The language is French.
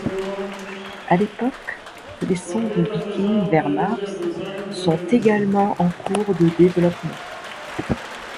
À l'époque les sondes Viking vers Mars sont également en cours de développement.